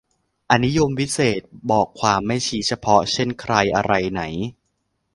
อนิยมวิเศษณ์ บอกความไม่ชี้เฉพาะ เช่น ใคร อะไร ไหน